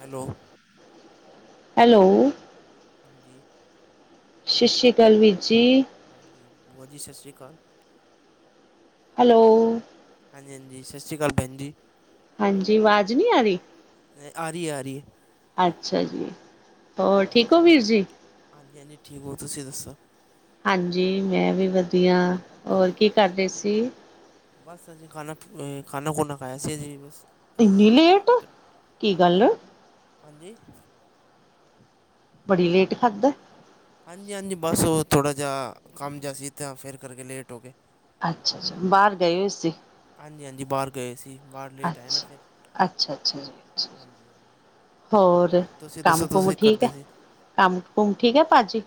Hello. Hello. ਹਾਂਜੀ। ਸਸ਼ੀ ਕਾਲ ਵੀਰ ਜੀ। ਹਾਂਜੀ ਬੂਆ ਜੀ ਸਸ਼੍ਰੀ ਕਾਲ। ਹੈਲੋ। ਹਾਂਜੀ-ਹਾਂਜੀ ਸਸ਼੍ਰੀ ਕਾਲ ਬੈਨ ਜੀ। ਹਾਂਜੀ ਆਵਾਜ਼ ਨੀ ਆ ਰਈ। ਆ ਰਈ ਐ ਆ ਰਈ ਐ। ਅੱਛਾ ਜੀ, ਹੋਰ ਠੀਕ ਓ ਵੀਰ ਜੀ। ਹਾਂਜੀ-ਹਾਂਜੀ ਠੀਕ ਊ, ਤੁਸੀਂ ਦੱਸੋ? ਹਾਂਜੀ ਮੈਂ ਵੀ ਵਦੀਆ, ਹੋਰ ਕੀ ਕਰਦੇ ਸੀ? ਬਸ ਅਜੇ ਖਾਨਾ ਅ ਖਾਨਾ-ਖੂਨਾ ਖਾਏਆ ਸੀ ਅਜੇ ਬਸ। ਇੰਨੀ ਲੇਟ ਕੀ ਗੱਲ? ਹਾਂਜੀ? ਬੜੀ ਲੇਟ ਖਾਦੈ। ਹਾਂਜੀ-ਹਾਂਜੀ ਬਸ ਓ ਥੋੜਾ ਜਾ ਕੰਮ ਜਾ ਸੀ ਤਾਂ ਫਿਰ ਕਰਕੇ ਲੇਟ ਹੋ ਗੇ। ਅੱਛਾ-ਅੱਛਾ ਬਾਰ ਗਏ ਹੋਏਂ ਸੀ। ਹਾਂਜੀ-ਹਾਂਜੀ ਬਾਰ ਗਏ ਸੀ, ਬਾਰ ਲੇਟ ਆਏ ਨਾ ਅੱਛਾ। ਫਿਰ, ਅੱਛਾ ਅੱਛਾ ਜੀ, ਅੱਛਾ, ਹਾਂਜੀ-ਹਾਂ ਹੋਰ ਕੰਮ-ਕੁੰਮ ਠੀਕ ਐ, ਕੰਮ-ਕੁੰਮ ਠੀਕ ਐ ਭਾਜੀ?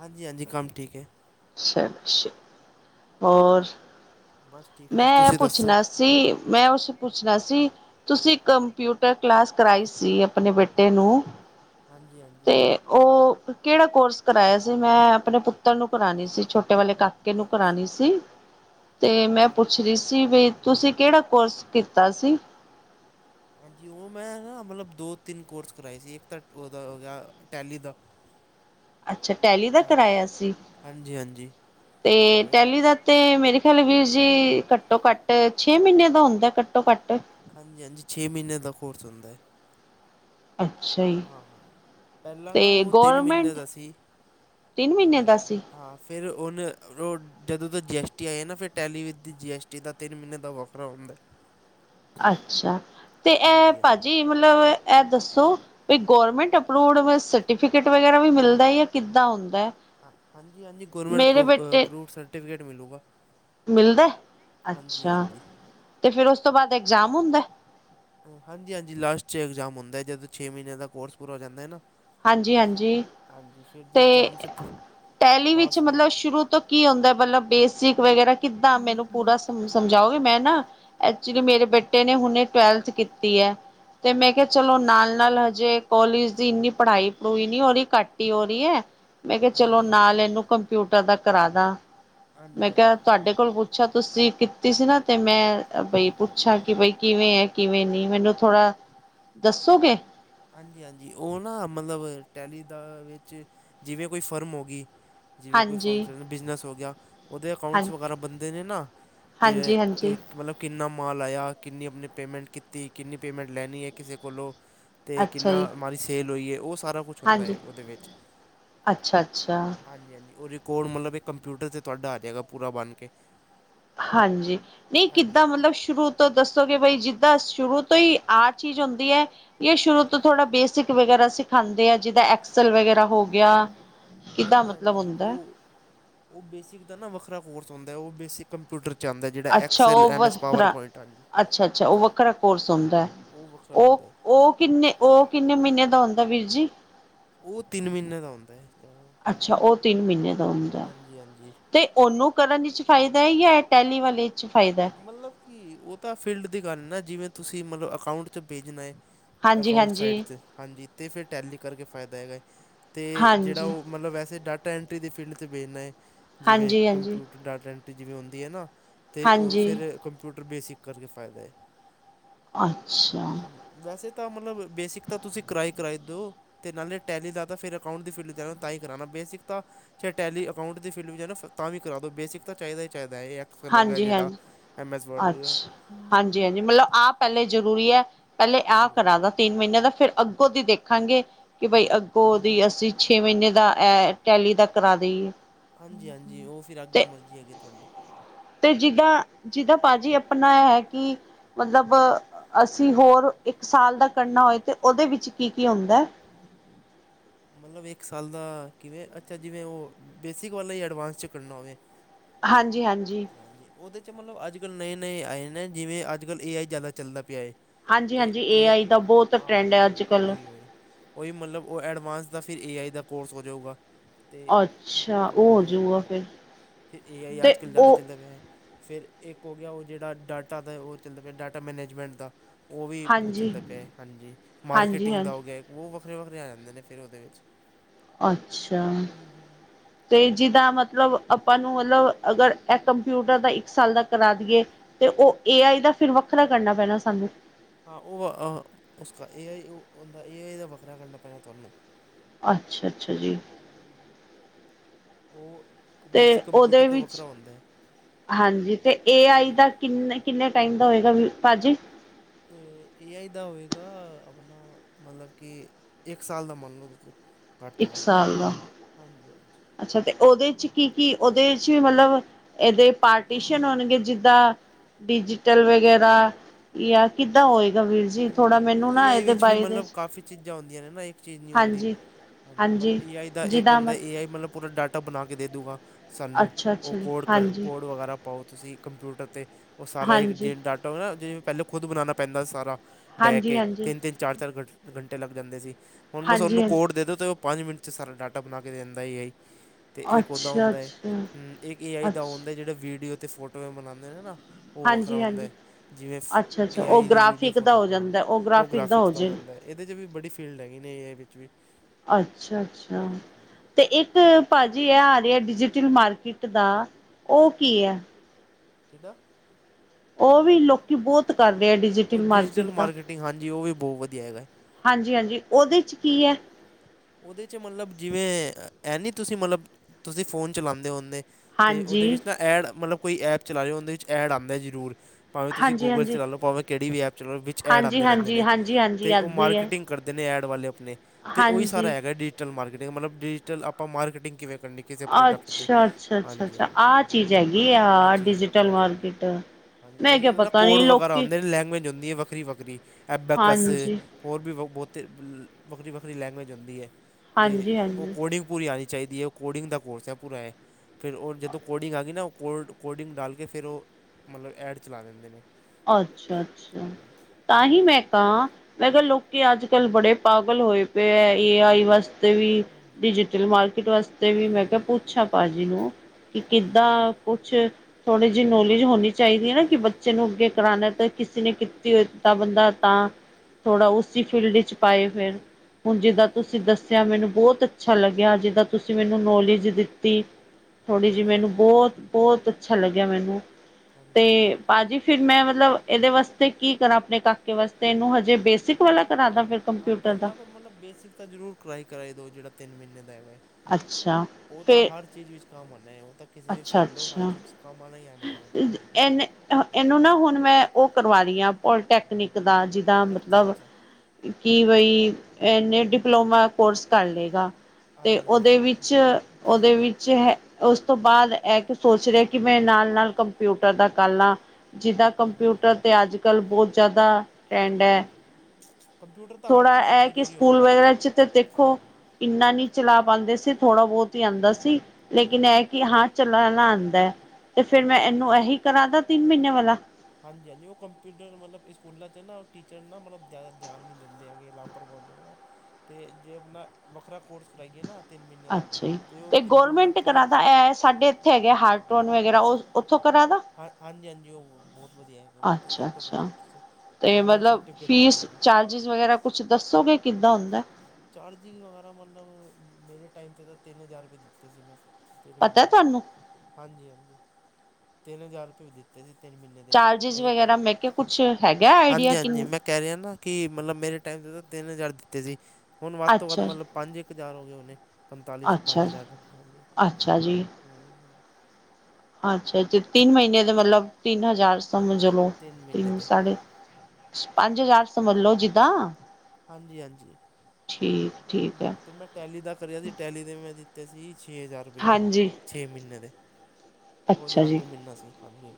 ਹਾਂਜੀ-ਹਾਂਜੀ ਕੰਮ ਠੀਕ ਐ। ਸ਼ੱਲ ਛ ਹੋਰ, ਬਸ ਠੀਕ ਮੈਂ ਠਾਕ ਐ ਤੁਸੀਂ ਦੱਸੋ ਪੁੱਛਣਾ ਸੀ ਮੈਂ ਉਸ ਪੁੱਛਣਾ ਸੀ ਤੁਸੀਂ ਕੰਪਿਊਟਰ ਕਲਾਸ ਕਰਾਈ ਸੀ ਆਪਨੇ ਬੇਟੇ ਨੂੰ ਹਾਂਜੀ-ਹਾਂਜੀ। ਓ ਕੇੜਾ ਕੋਰਸ ਕਰਾਏਆ ਸੀ ਮੈਂ ਆਪਨੇ ਪੁੱਤਰ ਨੂੰ ਕਰਾਨੀ ਸੀ ਛੋਟੇ ਵਾਲੇ ਕਾਕੇ ਅੱਛਾ ਕਰਾਨੀ ਸੀ ਤੇ ਮੈਂ ਹਾਂਜੀ ਪੁੱਛ ਰਈ ਸੀ ਵਈ ਤੁਸੀਂ ਕੇੜਾ ਕੋਰਸ ਕੀਤਾ ਸੀ ਹਾਂਜੀ ਓ ਮੈਂ ਨਾ ਮਤਲਬ ਦੋ-ਤਿੰਨ ਕੋਰਸ ਕਰਾਏ ਸੀ ਇੱਕ ਤਾਂ ਓਦਾ ਹੋ ਗਿਆ ਅ ਟੈਲੀ ਦਾ ਅੱਛਾ ਟੈਲੀ ਦਾ ਹਾਂਜੀ ਕਰਾਏਆ ਸੀ ਹਾਂਜੀ ਹਾਂਜੀ ਤੇ ਇੱਕ ਟੈਲੀ ਦਾ ਤੇ ਮੇਰੇ ਖਿਆਲ ਵੀਰ ਜੀ ਘੱਟੋ-ਘੱਟ ਛੇ ਮੀਨੇ ਦਾ ਹੁੰਦਾ ਘੱਟ-ਘੱਟ ਹਾਂਜੀ-ਹਾਂਜੀ ਛੇ ਮੀਨੇ ਦਾ ਕੋਰਸ ਹੁੰਦਾ ਐ। ਅੱਛਾ ਜੀ ਹਾਂ ਪਹਿਲਾਂ ਤੇ ਨਾ ਉਹ ਤਿੰਨ ਮਹੀਨੇ ਗੌਰਮੈਂਟ ਦਾ ਸੀ ਤਿੰਨ ਮੀਨੇ ਹਾਂਜੀ ਦਾ ਸੀ। ਹਾਂ ਫਿਰ ਓਨੇ ਓ ਜਦੋਂ ਤੋਂ ਜੀ ਐੱਸ ਟੀ ਆਏਆ ਨਾ ਫਿਰ Tally with G S T ਦਾ ਤਿੰਨ ਮੀਨੇ ਦਾ ਵੱਖਰਾ ਹੁੰਦੈ। ਅੱਛਾ ਤੇ ਇਹ ਹਾਂਜੀ ਹਾਂ ਭਾਜੀ ਮਤਲਬ ਇਹ ਦੱਸੋ ਕਿ ਗਵਰਮੈਂਟ ਅਪਰਵਡ ਵ ਸਰਟੀਫਿਕੇਟ ਵਗੈਰਾ ਵੀ ਮਿਲਦਾ ਯਾਂ ਕਿਦਾਂ ਹੁੰਦੈ ਹਾਂ ਹਾਂਜੀ ਹਾਂਜੀ ਗੌਰਮੈਂਟ ਅਪਰੂਵ ਅਪਰੁਵਡ ਸਰਟੀਫਿਕੇਟ ਮਿਲੂਗਾ ਮਿਲਦਾ ਹਾਂਜੀ ਅੱਛਾ ਹਾਂਜੀ ਤੇ ਫਿਰ ਉਸ ਤੋਂ ਬਾਅਦ ਐਗਜ਼ਾਮ ਹੁੰਦਾ ਉਹ ਹਾਂਜੀ ਹਾਂਜੀ ਲਾਸਟ ਚ ਇਗਜ਼ਾਮ ਹੁੰਦਾ ਹੈ ਜਦੋਂ ਛੇ ਮਹੀਨੇ ਦਾ ਕੋਰਸ ਪੂਰਾ ਹੋ ਜਾਂਦਾ ਹੈ ਨਾ ਹਾਂਜੀ ਹਾਂਜੀ ਹਾਂਜੀ ਫਿਰ ਜੇ ਤੇ ਇਗਜ਼ਾਮ 'ਚ ਟੈਲੀ ਵਿੱਚ ਪਾਸ ਹੋਣ ਮਤਲਬ ਸ਼ੁਰੂ ਤੋਂ ਕੀ ਹੁੰਦਾ ਮਤਲਬ ਬੇਸਿਕ ਵਗੈਰਾ ਕਿੱਦਾਂ ਮੈਨੂੰ ਪੂਰਾ ਸਮਸ ਸਮਝਾਓਗੇ ਮੈਂ ਨਾ ਐਕਚੁਲੀ ਮੇਰੇ ਬੇਟੇ ਨੇ ਹੁਣੇ ਟਵੈਲਥ ਕੀਤੀ ਹੈ ਤੇ ਮੈਂ ਕਿਹਾ ਚਲੋ ਨਾਲ ਨਾਲ ਹਜੇ ਕੋਲੇਜ ਦੀ ਇੰਨੀ ਪੜ੍ਹਾਈ ਪੜੂਈ ਨਹੀਂ ਹੋ ਰਹੀ ਘੱਟ ਹੀ ਹੋ ਰਹੀ ਹੈ ਮੈਂ ਕਿਹਾ ਚਲੋ ਹਾਂਜੀ ਹਾਂਜੀ ਨਾਲ ਇਹਨੂੰ ਕੰਪਿਊਟਰ ਦਾ ਕਰਾ ਦਾਂ ਹਾਂਜੀ ਮੈਂ ਕਿਹਾ ਹਾਂਜੀ ਤੁਹਾਡੇ ਕੋਲ ਪੁੱਛਾਂ ਤੁਸੀਂ ਕੀਤੀ ਸੀ ਨਾ ਤੇ ਮੈਂ ਬਈ ਪੁੱਛਾਂ ਕਿ ਬਈ ਕਿਵੇਂ ਹੈ ਕਿਵੇਂ ਨੀ ਮੈਨੂੰ ਥੋੜ੍ਹਾ ਦੱਸੋਗੇ ਹਾਂਜੀ ਹਾਂਜੀ ਉਹ ਨਾ ਮਤਲਬ ਟੈਲੀ ਦਾ ਵਿੱਚ ਜਿਵੇਂ ਕੋਈ ਫਰਮ ਹੋ ਗਈ ਜਿਵੇਂ ਕੋਈ ਫਮ ਹਾਂਜੀ [unintelligible] ਬਿਜਨਸ ਹੋ ਗਿਆ ਉਹਦੇ ਹਾਂ ਅਕਾਊਂਟਸ ਵਗੈਰਾ ਬਣਦੇ ਨੇ ਨਾ ਤੇ ਹਾਂਜੀ-ਹਾਂਜੀ ਕੋਈ ਮਤਲਬ ਕਿੰਨਾ ਮਾਲ ਆਇਆ ਕਿੰਨੀ ਅਪਣੀ ਪੇਮੈਂਟ ਕੀਤੀ ਕਿੰਨੀ ਪੇਮੈਂਟ ਲੈਣੀ ਹੈ ਕਿਸੇ ਕੋਲੋਂ ਤੇ ਅੱਛਾ ਕਿੰਨਾ ਜੀ ਮਾਰੀ ਸੇਲ ਹੋਈ ਏ ਉਹ ਸਾਰਾ ਕੁੱਛ ਹੁੰਦਾ ਹਾਂਜੀ ਏ ਉਹਦੇ ਵਿੱਚ ਅੱਛਾ-ਅੱਛਾ ਹ ਹਾਂਜੀ ਹਾਂਜੀ ਉਹ ਰਿਕੋਰਡ ਮਤਲਬ ਇੱਕ ਕੰਪਿਊਟਰ ਤੇ ਤੁਹਾਡਾ ਆ ਜੇਗਾ ਪੂਰਾ ਬਣ ਕੇ ਹਾਂਜੀ ਨਹੀਂ ਹਾਂਜੀ ਕਿੱਦਾਂ ਹਾਂਜੀ ਮਤਲਬ ਸ਼ੁਰੂ ਤੋਂ ਦੱਸੋਗੇ ਬਈ ਜਿੱਦਾਂ ਸ਼ੁਰੂ ਤੋਂ ਹੀ ਆਹ ਚੀਜ਼ ਹੁੰਦੀ ਹੈ ਯੇ ਸ਼ੁਰੂ ਤੋਂ ਥੋੜ੍ਹਾ ਬੇਸਿਕ ਵਗੈਰਾ ਸਿਖਾਉਂਦੇ ਏ ਜਿੱਦਾਂ ਐਕਸਲ ਵਗੈਰਾ [unintelligible] ਹੋ ਗਿਆ ਕਿੱਦਾਂ ਹਾਂਜੀ ਮਤਲਬ ਹਾਂਜੀ ਹੁੰਦਾ ਉਹ ਉਹ ਬੇਸਿਕ ਦਾ ਨਾ ਵੱਖਰਾ ਕੋਰਸ ਹੋਂਦਾ ਉਹ ਬੇਸਿਕ ਕੰਪਿਊਟਰ ਆਉਂਦਾ ਜਿਹੜਾ ਅੱਛਾ ਐਕਸਲ ਉਹ ਐਮ ਐਸ ਪਾਵਰ ਵੱਖਰਾ ਪੁਆਇੰਟ ਹਾਂਜੀ ਅੱਛਾ ਅੱਛਾ ਉਹ ਵੱਖਰਾ ਕੋਰਸ ਹੋਂਦਾ ਹੈ ਉਹ ਵੱਖਰਾ ਉਹ ਹੁੰਦਾ ਹੈ ਉਹ ਕਿੰਨੇ ਉਹ ਕਿੰਨੇ ਮਹੀਨੇ ਦਾ ਹੁੰਦਾ ਵੀਰ ਜੀ ਉਹ ਤਿੰਨ ਮਹੀਨੇ ਦਾ ਹੋਂਦਾ ਹੈ ਅੱਛਾ ਉਹ ਤਿੰਨ ਮਹੀਨੇ ਦਾ ਹੋਂਦਾ ਹਾਂਜੀ ਹਾਂਜੀ ਤੇ ਉਹਨੂੰ ਕਰਨ ਵਿੱਚ ਫਾਇਦਾ ਹੈ ਤਾਂ ਏਹ ਟੈਲੀ ਵਾਲੇ ਚ ਫਾਇਦਾ ਮਤਲਬ ਕਿ ਉਹ ਤਾਂ ਫੀਲਡ ਦੀ ਗੱਲ ਨਾ ਜਿਵੇਂ ਤੁਸੀਂ ਮਤਲਬ ਅਕਾਊਂਟ ਚ ਭੇਜਣਾ ਹੈ ਹਾਂਜੀ ਅਕਾਊਂਟ ਸਾਈਡ ਹਾਂਜੀ ਤੇ ਹਾਂਜੀ ਤੇ ਫੇਰ ਟੈਲੀ ਕਰਕੇ ਫਾਇਦਾ ਹੈਗਾ ਏ ਤੇ ਜਿਹੜਾ ਹਾਂਜੀ ਉਹ ਮਤਲਬ ਵੈਸੇ ਡਾਟਾ ਐਂਟਰੀ ਦੀ ਫੀਲਡ ਤੇ ਭੇਜਣਾ ਹੈ ਜਿਵੇਂ ਹਾਂਜੀ ਹਾਂਜੀ ਕੰਪਿਊਟ ਡਾਟਾ ਐਂਟਰੀ ਜਿਵੇਂ ਹੁੰਦੀ ਹੈ ਨਾ ਅਤੇ ਉਹ ਹਾਂਜੀ ਫੇਰ ਕੰਪਿਊਟਰ ਬੇਸਿਕ ਕਰਕੇ ਫਾਇਦਾ ਹੈ ਅੱਛਾ ਹਮ, ਵੈਸੇ ਤਾਂ ਮਤਲਬ ਬੇਸਿਕ ਤਾਂ ਤੁਸੀਂ ਕਰਾ ਹੀ ਕਰਾ ਹੀ ਦਿਓ ਤੇ ਨਾਲੇ ਟੈਲੀ ਦਾ ਤਾਂ ਫਿਰ ਅਕਾਊਂਟ ਦੀ ਫੀਲਡ [unintelligible] ਤਾਂ ਹੀ ਕਰਾਉਣਾ ਬੇਸਿਕ ਤਾਂ ਚਾਹੇ ਟੈਲੀ ਅਕਾਊਂਟ ਦੀ ਫਿਲਮ ਵਿੱਚ ਹੈ ਨਾ ਤਾਂ ਵੀ ਕਰਾ ਦਉ ਬੇਸਿਕ ਤਾਂ ਚਾਹੀਦਾ ਹੀ ਚਾਹੀਦਾ ਇਹ ਇੱਕਸਲ ਹੋ ਗਿਆ ਹਾਂਜੀ ਜਿਹੜਾ ਹਾਂਜੀ ਐਮ ਐਸ ਵਰਡ ਹੋ ਗਿਆ ਅੱਛਾ ਹਮ ਹਾਂਜੀ ਹਮ ਹਾਂਜੀ ਮਤਲਬ ਆ ਪਹਿਲੇ ਜ਼ਰੂਰੀ ਹੈ ਪਹਿਲੇ ਆ ਹਾਂਜੀ ਕਰਾਦਾਂ ਤਿੰਨ ਮਹੀਨੇ ਦਾ ਫੇਰ ਅੱਗੋਂ ਦੀ ਦੇਖਾਂਗੇ ਕਿ ਬਈ ਅੱਗੋਂ ਦੀ ਅਸੀਂ ਛੇ ਮਹੀਨੇ ਦਾ ਐ ਟੈਲੀ ਦਾ ਕਰਾ ਦਈਏ ਹਾਂਜੀ ਹਾਂਜੀ ਉਹ ਫਿਰ ਅੱਗੇ ਮਰਜ਼ੀ ਹੈਗੀ ਹੈ ਤੁਹਾਡੀ ਤੇ ਜਿੱਦਾਂ ਜਿਦਾਂ ਭਾਜੀ ਆਪਣਾ ਏਹ ਹੈ ਕਿ ਮਤਲਬ ਅਸੀਂ ਹੋਰ ਇੱਕ ਸਾਲ ਦਾ ਕਰਨਾ ਹੋਏ ਤੇ ਉਹਦੇ ਵਿੱਚ ਕੀ-ਕੀ ਹੁੰਦਾ ਐ। ਮਤਲਬ ਇੱਕ ਸਾਲ ਦਾ ਕਿਵੇਂ ਅੱਛਾ ਜਿਵੇਂ ਉਹ ਬੇਸਿਕ ਵਾਲਾ ਹੀ ਐਡਵਾਂਸ 'ਚ ਕਰਨਾ ਹੋਵੇ। ਹਾਂਜੀ-ਹਾਂਜੀ। ਹਾਂਜੀ ਉਹਦੇ ਚ ਮਤਲਬ ਅੱਜ ਕੱਲ ਨਏ-ਨਏ ਆਏ ਨੇ ਜਿਵੇਂ ਅੱਜ ਕੱਲ ਏ ਆਈ ਜਿਆਦਾ ਚੱਲਦਾ ਪਿਆ ਐ। ਹਾਂਜੀ-ਹਾਂਜੀ ਏ ਆਈ ਦਾ ਬਹੁਤ ਟਰੈਂਡ ਹੈ ਹਾਂ ਅੱਜ ਕੱਲ੍ਹ। ਉਹੀ ਉਹੀ ਉਹੀ ਮਤਲਬ ਉਹ ਐਡਵਾਂਸ ਦਾ ਫਿਰ ਏ ਆਈ ਦਾ ਕੋਰਸ ਹੋ ਜਾਊਗਾ। ਤੇ ਅੱਛਾ ਉਹ ਹੋਜੂਗਾ ਹਾਂਜੀ-ਹਾਂਜੀ ਫਿਰ ਫਿਰ ਏ ਆਈ ਤੇ ਆਜ। ਜ਼ਿਆਦਾ ਉਹ ਚੱਲਿਆ ਪਿਆ ਫਿਰ ਇੱਕ ਹੋ ਗਿਆ। ਉਹ ਜਿਹੜਾ ਡਾਟਾ ਦਾ ਉਹ ਚੱਲਦਾ ਪਿਆ ਡਾਟਾ ਮੈਨੇਜਮੈਂਟ ਦਾ। ਉਹ ਵੀ ਬਹੁਤ ਹਾਂਜੀ ਚੱਲਦਾ ਪਿਆ ਹੈ ਹਾਂਜੀ ਹਾਂਜੀ ਮਾਰਕੀਟਿੰਗ ਦਾ ਹਾਂਜੀ ਹੋ ਗਿਆ। ਉਹ ਵੱਖਰੇ-ਵੱਖਰੇ ਆ ਜਾਂਦੇ ਨੇ ਫਿਰ ਉਹਦੇ ਵਿੱਚ। ਅੱਛਾ। ਤੇ ਜਿਦਾ ਮਤਲਬ ਆਪਾਂ ਨੂੰ ਮਤਲਬ ਅਗਰ ਐ ਕੰਪਿਊਟਰ ਦਾ ਇੱਕ ਸਾਲ ਦਾ ਕਰਾ ਦਈਏ। ਤੇ ਉਹ ਏ ਆਈ ਦਾ ਫਿਰ ਵੱਖਰਾ ਕਰਨਾ ਪੈਣਾ ਸਾਨੂੰ। ਹਾਂ ਉਹ ਆ ਉਸਕਾ ਏ ਆਈ ਓ ਏ ਆਈ ਦਾ ਵੱਖਰਾ ਕਰਨਾ ਪੈਣਾ ਤੁਹਾਨੂੰ। ਅੱਛਾ-ਅੱਛਾ ਜੀ। ਉਹ ਤੇ ਬੇਸਿਕ ਕੰਪਿਊਟਰ ਉਹਦੇ ਤੋਂ ਵਿੱਚ ਵੱਖਰਾ ਹੁੰਦਾ ਹੈ। ਹਾਂਜੀ ਤੇ ਏ ਆਈ ਦਾ ਕਿੰਨੇ-ਕਿੰਨੇ ਟਾਈਮ ਦਾ ਹੋਏਗਾ ਭਾਜੀ। ਏ ਆਈ ਦਾ ਹੋਵੇਗਾ ਆਪਣਾ ਮਤਲਬ ਕਿ ਇੱਕ ਸਾਲ ਦਾ ਮੰਨ ਲਉ ਤੁਸੀਂ ਘੱਟ ਇੱਕ ਤੋਂ ਘੱਟ। ਸਾਲ ਦਾ ਹਾਂਜੀ ਹਾਂਜੀ। ਅੱਛਾ ਤੇ ਉਹਦੇ ਚ ਕੀ ਕੀ ਉਹਦੇ ਚ ਵੀ ਮਤਲਬ ਇਹਦੇ ਪਾਰਟੀਸ਼ਨ ਹੋਣਗੇ ਜਿੱਦਾਂ ਡਿਜੀਟਲ ਵਗੈਰਾ। ਯਾਰ ਕਿੱਦਾਂ ਹੋਏਗਾ ਵੀਰ ਜੀ ਹਾਂਜੀ ਥੋੜ੍ਹਾ ਹਾਂਜੀ ਮੈਨੂੰ ਉਹ ਏ ਨਾ ਆਈ ਇਹਦੇ ਵਿੱਚ ਵੀ ਬਾਏ ਦੇ ਮਤਲਬ ਕਾਫੀ ਚੀਜ਼ਾਂ ਹੁੰਦੀਆਂ ਨੇ ਨਾ ਇੱਕ ਚੀਜ਼ ਨਹੀਂ ਹੁੰਦੀ ਹਾਂਜੀ ਹਾਂਜੀ ਮਤਲਬ ਏ ਆਈ ਦਾ ਇੱਕ ਜਿਦਾਂ ਹੁੰਦਾ ਮਤ ਏ ਆਈ ਮਤਲਬ ਪੂਰਾ ਡਾਟਾ ਬਣਾ ਕੇ ਦੇ ਦੂਗਾ। ਸਾਨੂੰ ਅੱਛਾ ਅੱਛਾ ਉਹ ਜੀ ਕੋਡ ਕ ਹਾਂਜੀ ਕੋਡ ਵਗੈਰਾ ਪਾਓ ਤੁਸੀਂ ਕੰਪਿਊਟਰ 'ਤੇ ਉਹ ਸਾਰਾ ਹਾਂਜੀ ਜਿ ਡਾਟਾਵੇ ਨਾ ਜਿਵੇਂ ਪਹਿਲੇ ਖੁਦ ਬਣਾਉਣਾ ਪੈਂਦਾ ਸਾਰਾ। ਬਹਿ ਹਾਂਜੀ ਕੇ ਹਾਂਜੀ ਤਿੰਨ ਤਿੰਨ ਚਾਰ ਚਾਰ ਘ ਘੰਟੇ ਲੱਗ ਜਾਂਦੇ ਸੀ। ਹੁਣ ਬਸ ਹਾਂਜੀ ਉਹਨੂੰ ਹਾਂਜੀ ਕੋਡ ਦੇ ਦਿਉ ਤੇ ਉਹ ਪੰਜ ਮਿੰਟ 'ਚ ਸਾਰਾ ਡਾਟਾ ਬਣਾ ਕੇ ਦੇ ਦਿੰਦਾ ਏ ਆਈ। ਤੇ ਇੱਕ ਉਹਦਾ ਅੱਛਾ ਹੁੰਦਾ ਐ ਅੱਛਾ ਹੂੰ ਏ ਆਈ ਉਹ ਤਾਂ ਹੁੰਦਾ ਅੱਛਾ ਜਿਹੜਾ ਵੀਡੀਓ ਅਤੇ ਫੋਟੋਆਂ ਬਣਾਉਦੇ ਨੇ ਹੈ ਨਾ। ਉਹ ਵੱਖਰਾ ਹਾਂਜੀ ਹੁੰਦਾ ਹਾਂਜੀ ਹੈ ਜਿਵੇਂ ਅੱਛਾ ਅੱਛਾ ਏ ਉਹ ਆਈ ਦੀ ਵੀਡੀਓ ਗ੍ਰਾਫਿਕ ਦਾ ਫੋਟੋ ਹੋ ਹਾਂ ਜਾਂਦਾ ਉਹ ਗ੍ਰਾਫਿਕ ਗ੍ਰਾਫਿਕਸ ਦਾ ਹੋ ਜੇ ਜਾਂਦਾ ਹੈ। ਇਹਦੇ 'ਚ ਵੀ ਬੜੀ ਫੀਲਡ ਹੈਗੀ ਨੇ ਏਏ ਵਿੱਚ ਵੀ। ਅੱਛਾ ਅੱਛਾ ਹੂੰ, ਤੇ ਇੱਕ ਭਾਜੀ ਇਹ ਆ ਰਿਹਾ ਹੈ ਡਿਜੀਟਲ ਮਾਰਕੀਟ ਦਾ ਉਹ ਕੀ ਐ? ਕਿਦਾ ਉਹ ਵੀ ਲੋਕੀ ਬਹੁਤ ਕਰਦੇ ਆ ਡਿਜੀਟਲ ਮਾਰਕੀਟ ਤਾਂ ਤੇ ਹਾਂਜੀ ਉਹ ਵੀ ਬਹੁਤ ਵਧੀਆ ਹੈਗਾ ਹੈ। ਹਾਂਜੀ ਹਾਂਜੀ ਉਹਦੇ ਚ ਕੀ ਐ। ਉਹਦੇ 'ਚ ਮਤਲਬ ਜਿਵੇਂ ਐ ਨਹੀਂ ਤੁਸੀਂ ਮਤਲਬ ਤੁਸੀਂ ਫ਼ੋਨ ਚਲਾਦੇ ਹੁੰਣੇ। ਤੇ ਹਾਂਜੀ ਉਦੇ ਵਿੱਚ ਨਾ ਐਡ ਮਤਲਬ ਕੋਈ ਐਪ ਚਲਾ ਲਓ ਉਹਦੇ ਵਿੱਚ ਐਡ ਆਦਾ ਜ਼ਰੂਰ। ਭਾਵੇਂ ਤੁਸੀਂ ਹਾਂਜੀ ਗੂਗਲ ਹਾਂਜੀ ਚਲਾ ਲਓ ਭਾਵੇਂ ਕਿਹੜੀ ਵੀ ਐਪ ਚ ਵਿੱਚ ਐਡ ਹਾਂਜੀ ਆਦੇ ਰਹਿੰਦੇ ਹਾਂਜੀ ਨੇ। ਹਾਂਜੀ ਹਾਂਜੀ ਉਹ ਆਦੀ ਹੈ ਮਾਰਕੀਟਿੰਗ ਕਰਦੇ ਨੇ ਐਡ ਵਾਲੇ ਆਪਣੇ ਤੇ ਉਹੀ ਸਾਰਾ ਹਾਂਜੀ ਹੈਗਾ ਡਿਜੀਟਲ ਮਾਰਕੀਟਿੰਗ ਮਤਲਬ ਡਿਜੀਟਲ ਆਪਾਂ ਮਾਰਕੀਟਿੰਗ ਕਿਵੇਂ ਕਰਨੀ। ਕਿਸੇ ਪ੍ਰੋਡਕਟ ਦੀ ਅੱਛਾ ਅੱਛਾ ਅੱਛਾ ਹਾਂਜੀ ਅੱਛਾ ਹਾਂਜੀ ਆਹ ਚੀਜ਼ ਹੈਗੀ ਇਹ ਆ ਚੀਜ਼ ਹੈ ਡਿਜੀਟਲ ਹਾਂਜੀ ਹਾਂਜੀ। ਮਾਰਕੀਟ ਹਾਂਜੀ ਮੈਂ ਕਿਹਾ ਇਹਦੇ ਨਾ ਪਤਾ ਕੋਡ ਨੀ ਵਗੈਰਾ ਲੋਕੀ ਹੁੰਦੇ ਨੇ ਲੈਂਗੁਏਜ ਹੁੰਦੀ ਹੈ ਵੱਖਰੀ ਵੱਖਰੀ। ਐਬਾਕਸ ਹਾਂਜੀ ਹੋਰ ਵੀ ਬਹੁ ਬਹੁਤੇ ਵਲ ਵੱਖਰੀ ਵੱਖਰੀ ਲੈਂਗੁਏਜ ਹੁੰਦੀ ਹੈ ਅਤੇ ਹਾਂਜੀ ਉਹ ਹਾਂਜੀ ਕੋਡਿੰਗ ਪੂਰੀ ਆਣੀ ਚਾਹੀਦੀ ਹੈ ਉਹ ਕੋਡਿੰਗ ਦਾ ਕੋਰਸ ਹੈ ਪੂਰਾ ਐ। ਫਿਰ ਉਹ ਜਦੋਂ ਕੋਡਿੰਗ ਆ ਗਈ ਨਾ ਉਹ ਕੋਡ ਕੋਡਿੰਗ ਡਾਲ ਕੇ ਫਿਰ ਉਹ ਮਤਲਬ ਐਡ ਚਲਾ ਦਿੰਦੇ ਨੇ ਅੱਛਾ ਅੱਛਾ ਹਾਂਜੀ ਤਾਂ ਹੀ ਮੈਂ ਕਆ ਮੈਂ ਕਿਆ ਹਾਂਜੀ ਲੋ ਕੀ ਅੱਜ ਕੱਲ੍ਹ ਬੜੇ ਪਾਗਲ ਹੋਏ ਪਏ ਐ ਏ ਆਈ ਵਸ ਤੇ ਵੀ ਹਾਂਜੀ ਹਾਂਜੀ ਡਿਜੀਟਲ ਮਾਰਕੀਟ ਵਾਸਤੇ ਵੀ ਮੈਂ ਕਿਆ ਪੁੱਛਾ ਭਾਜੀ ਨੂੰ ਕਿ ਹਾਂਜੀ ਕਿੱਦਾਂ ਕੁਛ ਥੋੜ੍ਹੀ ਜੀ ਨੌਲੇਜ ਹੋਣੀ ਚਾਈਦੀ ਐ ਨਾ ਕਿ ਹਾਂਜੀ ਬੱਚੇ ਨੂੰ ਅੱਗੇ ਕਰਾਨਾ ਤੇ ਕਿਸੀ ਨੇ ਕੀਤੀ ਹੋਈ ਤਾਂ ਬੰਦਾ ਤਾਂ ਥੋੜ੍ਹਾ ਉਸੀ ਫੀਲਡ ਚ ਪਾਏ ਫੇਰ ਹੁਣ ਜਿੱਦਾਂ ਹਾਂਜੀ ਤੁਸੀਂ ਦੱਸਿਆ ਮੈਨੂੰ ਬੋਤ ਅੱਛਾ ਲੱਗਿਆ ਜਿੱਦਾਂ ਤੁਸੀਂ ਮੈਨੂੰ ਨੌਲਜ ਦਿੱਤੀ ਥੋੜ੍ਹੀ ਜਿ ਹਾਂਜੀ ਮੈਨੂੰ ਬੋਤ-ਬੋਤ ਅੱਛਾ ਲੱਗਿਆ ਮੈਨੂੰ ਤੇ ਹਾਂਜੀ ਹਾਂਜੀ ਭਾਜੀ ਫਿਰ ਮੈ ਮ ਤਲਬ ਇਦੇ ਵਾਸਤੇ ਕੀ ਕਰਾਂ ਆਪਣੇ ਕਾਕੇ ਵਾਸਤੇ ਐਨੂੰ ਹਜੇ ਹਾਂਜੀ ਬੇਸਿਕ ਵਾਲਾ ਕਰਾ ਦਾ ਫੇਰ ਹਾਂ ਕੰਪਿਊਟਰ ਦਾ ਪਹਿਲਾਂ ਤਾਂ ਮਤਲਬ ਬੇਸਿਕ ਤਾਂ ਜ਼ਰੂਰ ਕਰਾ ਕਰਾਈ ਦੋ ਜੇੜਾ ਤਿੰਨ ਮੀਨੇ ਦਾ ਹੈਗਾ ਐ ਅੱਛਾ ਓ ਤਾਂ ਫਿਰ ਹਰ ਚੀਜ਼ ਵਿੱਚ ਕੰਮ ਆਨਾ ਐ ਓ ਤਾਂ ਕਿਸੇ ਵੀ ਫੀਲਡ ਹੋ ਹਰ ਚੀਜ਼ ਚ ਕੰਮ ਆਣਾ ਈ ਆਣਾ ਏਨੇ ਐਨੂੰ ਨਾ ਹੁਣ ਮੈਂ ਓ ਕਰਵਾ ਰੀ ਆ ਪੋਲਟੈਕਨਿਕ ਦਾ ਜਿ ਦਾ ਅੱਛਾ ਮਤਲਬ ਅੱਛਾ ਕਿ ਵਈ ਐਨੇ ਡਿਪਲੋਮਾ ਕੋਰਸ ਕਰ ਲੇਗਾ ਤੇ ਹਾਂਜੀ ਓਦੇ ਹਾਂਜੀ ਵਿੱਚ ਹਾਂਜੀ ਓਦੇ ਵਿੱਚ ਹੈ ਉਸ ਤੋਂ ਬਾਅਦ ਐ ਕੀ ਸੋਚ ਰਿਆ ਕਿ ਮੈਂ ਨਾਲ ਨਾਲ ਕੰਪਿਊਟਰ ਦਾ ਕਰਲਾ ਜਿੱਦਾਂ ਹਾਂਜੀ ਕੰਪਿਊਟਰ ਤੇ ਅੱਜ ਕੱਲ੍ਹ ਬੋਤ ਜ਼ਾਦਾ ਟਰੈਂਡ ਐ ਹਾਂਜੀ ਕੰਪਿਊਟਰ ਤਾਂ ਹਰ ਥੋੜ੍ਹਾ ਚੀਜ਼ ਵਿੱਚ ਐ ਕਿ ਜ਼ਰੂਰੀ ਹੋ ਸਕੂਲ ਗਿਆ ਅੱਜ ਵਗੈਰਾ ਕੱਲ੍ਹ ਚ ਤੇ ਦੇਖੋ ਹਾਂਜੀ ਇੰਨਾ ਨੀ ਚਲਾ ਪਾਂਦੇ ਸੀ ਥੋੜ੍ਹਾ ਬੋਤ ਈ ਆਦਾ ਸੀ ਲੇਕਿਨ ਹਾਂਜੀ ਐ ਕਿ ਹਾਂ ਚਲਾਣਾ ਆਦਾ ਤੇ ਫੇਰ ਮੈਂ ਹਾਂਜੀ ਐਨੂੰ ਐਹੀ ਕਰਾ ਦਾ ਤਿੰਨ ਮੀਨੇ ਵਾਲਾ ਹਾਂਜੀ ਹਾਂਜੀ ਓ ਕੰਪਿਊਟਰ ਮਤਲਬ ਸਕੂਲਾਂ ਚ ਨਾ ਟੀਚਰ ਨਾ ਮਤਲਬ ਜ਼ਾਦਾ ਧਿਆਨ ਨੀ ਦਿੰਦੇ ਹੈਗੇ ਲਾਭ ਭਰਵਾਦੇ ਨੇ ਨਾ ਤੇ ਜੇ ਆਪਣਾ ਵੱਖਰਾ ਕੋਰਸ ਕਰਾਈਏ ਨਾ ਤਿੰਨ ਮਹੀਨੇ ਦਾ ਅਤੇ ਤੇ ਉਹ ਗੌਰਮੈਂਟ ਕੰਪਿਊਟਰ ਕਰਾਂ ਤਾਂ ਐ ਸਾਡੇ ਇੱਥੇ ਹੈਗਾ ਹਾਰ ਟੋਨ ਵਗੈਰਾ ਓ ਓਥੋਂ ਕਰਾ ਦਾ ਹਾਂ, ਹਾਂਜੀ-ਹਾਂਜੀ ਓ ਬੋਤ ਵਧੀਆ ਹੈਗਾ ਓਥੋਂ ਅੱਛਾ ਓਤੋਂ ਕਰਾ ਅੱਛਾ ਦਿਉ ਤੁਸੀਂ ਤੇ ਗੌਰਮੈਂਟ ਮਤਲਬ ਸਰਟੀਫਿਕੇਟ ਵੀ ਆ ਫੀਸ ਜਾਏਗਾ ਚਾਰਜਿਸ ਵਗੈਰਾ ਕੁਛ ਦੱਸੋਗੇ ਕਿੱਦਾਂ ਹੁੰਦਾ ਚਾਰਜਿਸ ਵਗੈਰਾ ਮਤਲਵ ਮੇਰੇ ਟਾਈਮ ਤੇ ਤਾਂ ਤਿੰਨ ਜ਼ਾਰ ਰੁਪਏ ਦਿੱਤੇ ਸੀਗੇ ਮੈਂ ਤਿੰਨ ਪਤਾ ਮੀਨੇ ਦੇ ਤੁਹਾਨੂੰ ਹਾਂਜੀ-ਹਾਂਜੀ ਤਿੰਨ ਜ਼ਾਰ ਰੁਪਏ ਵੀ ਦਿ ਤੇ ਸੀ ਤਿੰਨ ਮੀਨੇ ਦੇ ਚਾਰਜਿਸ ਮੇਰੇ ਵਗੈਰਾ ਟਾਇਮ ਚ ਮੈਂ ਕਿਹਾ ਕੁਛ ਹੈਗਾ ਆਈਡੀਆ ਕਿ ਹਾਂਜੀ-ਹਾਂਜੀ ਮੈ ਕੈ ਰਿਆ ਨਾ ਕਿ ਮਤਲਵ ਮੇਰੇ ਟਾਈਮ ਤੇ ਤਾਂ ਤਿੰਨ ਜ਼ਾਰ ਦਿੱਤੇ ਸੀ। ਹੁਣ ਵੱਧ ਤੋਂ ਵੱਧ ਅੱਛਾ ਮਤਲਬ ਪੰਜ ਇੱਕ ਹਜ਼ਾਰ ਹੋ ਗਏ ਹੋਨੇ ਪੰਤਾਲੀ ਸੌ ਪੰਜ ਅੱਛਾ ਹਜ਼ਾਰ ਪੰਜ ਹੂੰ ਅੱਛਾ ਹੂੰ ਅੱਛਾ-ਅੱਛਾ ਤਿੰਨ ਮੀਨੇ ਦੇ ਮਤਲਬ ਤਿੰਨ ਹਜ਼ਾਰ ਸਮਝ ਹਾਂ ਲੋ ਮਹੀਨੇ ਤਿੰਨ ਦੇ ਸਾਡੇ ਪੰਜ ਹਜ਼ਾਰ ਸਮਝ ਲੋ ਜਿੱਦਾਂ ਹਾਂਜੀ ਹਾਂਜੀ ਠੀਕ ਠੀਕ ਹੈ ਹੂੰ ਤੇ ਮੈਂ ਟੈਲੀ ਦਾ ਕਰਿਆ ਸੀ ਟੈਲੀ ਦੇ ਮੈਂ ਦਿੱਤੇ ਸੀ ਛੇ ਹਜ਼ਾਰ ਰੁਪਈਏ ਹਾਂਜੀ ਛੇ ਮੀਨੇ ਦੇ ਓ ਅੱਛਾ ਜ਼ਾਰ ਜੀ ਰੁਪਏ ਮੀਨਾ ਸੀ ਹਾਂਜੀ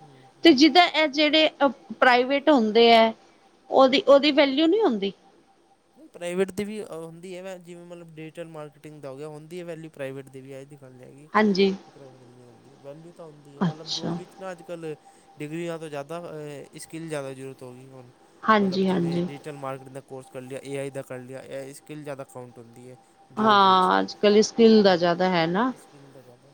ਹੂੰ ਹੂੰ ਐ ਜੇੜੇ ਪ੍ਰਾਈਵੇਟ ਹੁੰਦੇ ਐ ਓਦੀ ਓਦੀ ਵੈਲਿਊ ਨੀ ਹੁੰਦੀ ਨਈ ਪ੍ਰਾਈਵੇਟ ਦੀ ਵੀ ਹੁੰਦੀ ਐ ਵ ਜਿਵੇਂ ਮਤਲਬ ਡਿਜੀਟਲ ਮਾਰਕੀਟਿੰਗ ਦਾ ਹੋ ਗਿਆ ਹੁੰਦੀ ਐ ਵੈਲਿਊ ਪ੍ਰਾਈਵੇਟ ਦੀ ਵੀ ਐ ਜੀ ਗ ਲ ਨੀ ਹੈਗੀ ਹਾਂਜੀ ਕਿ ਪ੍ਰਾਈਵੇਟ ਦੀ ਨੀ ਹੁੰਂਦੀ ਵੈਲਿਊ ਤਾਂ ਹੁੰਦੀ ਐ ਮਤਲਬ ਜੋ ਅੱਛਾ ਵੀ ਨਾ ਅੱਜ ਕੱਲ੍ਹ ਡਿਗਰੀਆਂ ਤੋਂ ਜ਼ਾਦਾ ਅ ਸਕਿੱਲ ਜ਼ਾਦਾ ਜ਼ਰੂਰਤ ਹੋ ਗਈ ਹੁਣ ਮਤਲਬ ਹਾਂਜੀ ਜਿਵੇਂ ਹਾਂਜੀ ਡਿਜੀਟਲ ਮਾਰਕੀਟ ਦਾ ਕੋਰਸ ਕਰ ਲਿਆ ਏ ਆਈ ਦਾ ਕਰ ਲਿਆ। ਏ ਆਈ ਸਕਿੱਲ ਜ਼ਾਦਾ ਕੋਂਟ ਹੁੰਦੀ ਐ। ਜੋਬ ਵਿੱਚ ਹਾਂ ਅੱਜ ਕੱਲ ਹੂੰ ਸਕਿੱਲ ਦਾ ਜ਼ਿਆਦਾ ਹੈ ਨਾ ਹੂੰ ਸਕਿੱਲ ਦਾ ਜ਼ਾਦਾ ਐ।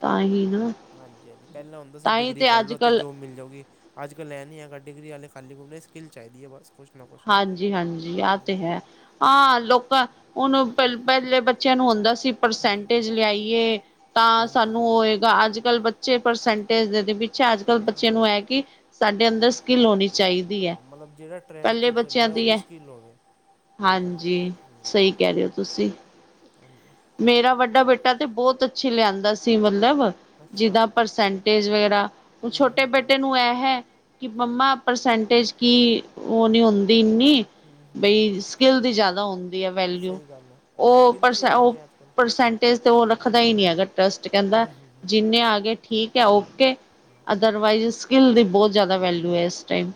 ਤਾਂ ਹੀ ਨਾ ਹਾਂਜੀ-ਹਾਂਜੀ ਪੈਲਾਂ ਹੁੰਦਾ ਸੀ ਤਾਂ ਹੀ ਡਿਗਰੀ ਕਰ ਅੱਜ ਲਓ ਤੇ ਕੱਲ ਜੋਬ ਮਿਲ ਜਾਉਗੀ। ਅੱਜ-ਕਲ ਲੈਨ ਨਹੀਂ ਹੈਗਾ, ਡਿਗਰੀ ਵਾਲੇ ਖਾਲੀ ਗੁੰਮਰੇ ਸਕਿੱਲ ਚਾਹੀਦੀ ਹੈ ਬਸ ਕੁਛ ਨਾ ਕੁਛ ਹਾਂਜੀ-ਹਾਂਜੀ ਆਹ ਤੇ ਹੂੰ ਹੂੰ ਹੈ, ਆਾਂ ਲੋਕਾਂ, ਉਹਨੂੰ ਪਹਿਲ- ਪਹਿਲੇ ਬੱਚਿਆਂ ਨੂੰ ਹੁੰਦਾ ਸੀ ਪਰਸੈਂਟੇਜ ਲਿਆਈਏ, ਤਾਂ ਹਾਂਜੀ ਸਾਨੂੰ ਹਾਂਜੀ ਉਹੋਏਗਾ ਅੱਜ-ਕੱਲ੍ਹ ਬਚ ਬੱਚੇ ਪਰਸੈਂਟੇਜ ਦੇ ਤੇ ਪਿੱਛੇ ਅੱਜ ਕੱਲ੍ਹ ਨਾ ਬੱਚੇਆਂ ਨਾ ਨੂੰ ਇਹ ਕਿ, ਸਾਡੇ ਅੰਦਰ ਹਾਂਜੀ ਸਕਿੱਲ ਹੋਣੀ ਚਾਹੀਦੀ ਹੈ ਹਾਂ ਮਤਲਬ ਜਿਵੈਂ ਟਰੈਂਡ ਪਹਿਲੇ ਚ ਬੱਚਿਆਂ ਚੱਲਦਾ ਦੀ ਉਹਦੀ ਹੈ। ਸਕਿੱਲ ਹੋਵੇ, ਉਹ ਗੱਲ ਹੈਗੀ ਹਾਂਜੀ, ਹੈ। ਹਮ ਸਹੀ ਕਹਿ ਰਹੇ ਹੋ ਤੁਸੀਂ। ਹਾਂਜੀ। ਮੇਰਾ ਵੱਡਾ ਬੇਟਾ ਤੇ ਬਹੁਤ ਅੱਛੀ ਲਿਆਂਦਾ ਸੀ ਮਤਲਬ, ਅੱਛਾ ਜਿੱਦਾਂ ਪਰਸੈਂਟੇਜ ਵਗੈਰਾ, ਹੁਨ ਹੂੰ ਛੋਟੇ ਹੂੰ ਹੂੰ ਬੇਟੇ ਨੂੰ ਇਹ ਹੈ ਕਿ ਮੰਮਾ ਪ੍ਰਸੈਂਟੇਜ ਕੀ, ਉਹ ਨਹੀਂ ਹੁੰਦੀ ਇੰਨੀ ਹਮ-ਹਮ ਬਈ ਸਕਿੱਲ ਦੀ ਹਾਂਜੀ, ਜ਼ਿਆਦਾ ਹੁੰਦੀ ਹੈ ਵੈਲਿਊ ਸਹੀ ਗੱਲ ਹੈ, ਹਾਂ ਸਕਿੱਲ ਦੀ ਹੈਗੀ ਅੱਜ ਕੱਲ੍ਹ ਪਰਸੈਂਟੇਜ਼ ਤੇ ਉਹ ਰੱਖਦਾ ਹੀ ਨਹੀਂ ਹੈਗਾ ਟਰੱਸਟ ਕਹਿੰਦਾ, ਹੂੰ ਹੂੰ ਹੂੰ ਜਿੰਨੇ ਆ ਗਏ ਠੀਕ ਹੈ ਓਕੇ ਅਦਰਵਾਈਜ਼, ਸਕਿੱਲ ਦੀ ਬਹੁਤ ਜ਼ਿਆਦਾ ਵੈਲਿਊ ਹੈ ਇਸ ਟਾਈਮ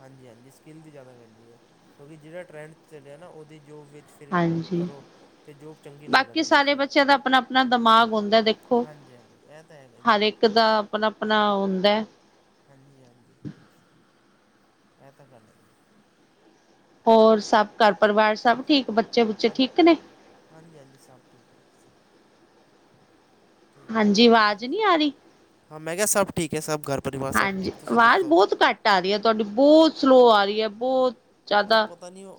ਹਾਂਜੀ-ਹਾਂਜੀ ਸਕਿੱਲ ਦੀ ਜ਼ਿਆਦਾ ਵੈਲਿਊ ਹੈ, ਕਿਉਂਕਿ ਜਿਹੜਾ ਟਰੈਂਡ ਚੱਲਿਆ ਨਾ, ਉਹਦੀ ਜੋਬ ਵਿੱਚ ਫਿਰ ਹਾਂਜੀ, ਕਰੋ ਅਤੇ ਜੋਬ ਚੰਗੀ ਲੱਗ ਬਾਕੀ ਜਾਂਦੀ ਹੈ ਸਾਰੇ ਬੱਚਿਆਂ ਦਾ ਆਪਣਾ-ਆਪਣਾ ਦਿਮਾਗ ਹੁੰਦਾ ਦੇਖੋ ਹਾਂਜੀ-ਹਾਂਜੀ, ਇਹ ਤਾਂ ਹੈਗਾ ਹੀ ਹੈ ਹਰ ਇੱਕ ਦਾ ਆਪਣਾ-ਆਪਣਾ ੳ ਹੁੰਦੈ ਹਾਂਜੀ-ਹਾਂਜੀ। ਐ ਤਾਂ ਗੱਲ ਹੈ ਜ ਹੋਰ ਸਭ ਘਰ ਪਰਿਵਾਰ ਸਭ ਠੀਕ, ਬੱਚੇ-ਬੁੱਚੇ ਠੀਕ ਨੇ ਹਾਂਜੀ-ਹਾਂਜੀ ਸਭ ਠੀਕ ਹੈ ਸ ਉਹ ਹਾਂਜੀ ਤੁਸੀਂ ਆਵਾਜ਼ ਦੱਸੋ ਨਹੀਂ ਆ ਰਹੀ ਹਾਂ ਮੈਂ ਕਿਹਾ ਸਭ ਠੀਕ ਹੈ ਸਭ ਘਰ ਪਰਿਵਾਰ ਸਭ ਠੀਕ, ਤੁਸੀਂ ਦੱਸੋ ਟ ਆ ਰਹੀ ਹੈ, ਤੁਹਾਡੀ ਬਹੁਤ ਸਲੋ ਆ ਰਹੀ ਹੈ ਬਹੁਤ ਉਹ ਜ਼ਿਆਦਾ,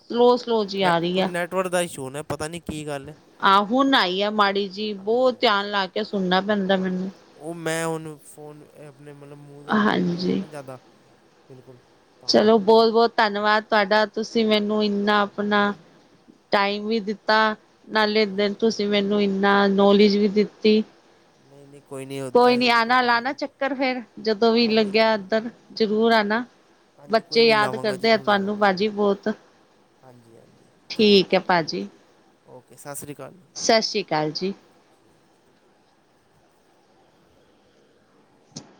ਸਲੋ-ਸਲੋ ਜੀ ਆ ਰਹੀ ਹੈ [unintelligible] ੋੜ ਦਾ ਇ ਸ਼ੂਨ ਹੈ, ਪਤਾ ਨੀ ਕੀ ਗੱਲ ਏ ਆ ਹੁਣ ਆਈ ਐ ਮਾੜੀ ਜੀ, ਬਹੁਤ ਹਾਂਜੀ ਧਿਆਨ ਲਾ ਕੇ ਸੁਣਨਾ ਪੈਂਦਾ ਹਾਂ ਮੈਨੂੰ ਉਹ ਮੈਂ ਹੁਨ ਫੋਨ, ਆਪਣੇ ਮਤਲਬ ਮੂੰਹ ਦੇ ਕੋਲ ਲਿਆਇਆ ਹਾਂਜੀ ਨਾ ਜ਼ਿਆਦਾ, ਬਿਲਕੁਲ ਤਾਂ ਚਲੋ ਬੋਤ-ਬੋਤ ਧੰਨਵਾਦ ਤੁਹਾਡਾ ਤੁਸੀਂ ਮੈਨੂੰ ਇੰਨਾ ਅਪਣਾ, ਟਾਈਮ ਵੀ ਦਿੱਤਾ ਨਾਲੇ ਬੇਰ ਹਾਂਜੀ ਤੁਸੀਂ ਮੈਨੂੰ ਇੰਨਾ ਨੌਲੇਜ ਵੀ ਦਿੱਤੀ ਨਹੀ-ਨਹੀ ਕੋਈ ਨੀ ਅ ਕੋਈ ਨੀ ਆਣਾ-ਲਾਣਾ ਚੱਕਰ ਫੇਰ ਜਦੋ ਵੀ ਹਾਂਜੀ ਲੱਗੇਆ ਏਧਰ, ਜਰੂਰ ਆਣਾ। ਹਾਂਜੀ ਕੋਈ ਬੱਚੇ ਨਹੀਂ ਯਾਦ ਕਰਦੇ ਆ ਤੁਆਨੂੰ ਭਾਜੀ ਬੋਤ ਹਾਂਜੀ-ਹਾਂਜੀ, ਠੀਕ ਏ ਓਕੇ, ਓਕੇ ਸਤ ਸ਼ੀ ਅਕਾਲ ਸ ਸ਼੍ਰੀ ਕਾਲ ਜੀ।